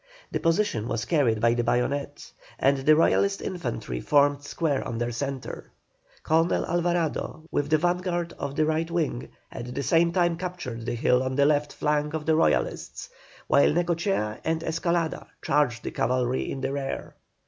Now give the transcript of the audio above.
The position was carried by the bayonet, and the Royalist infantry formed square on their centre. Colonel Alvarado, with the vanguard of the right wing, at the same time captured the hill on the left flank of the Royalists, while Necochea and Escalada charged the cavalry in the rear.